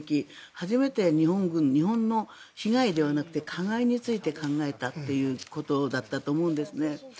初めて日本の被害ではなくて加害について考えたということだったと思うんです。